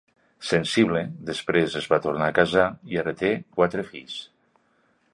Sensible, després es va tornar a casar i ara té quatre fills.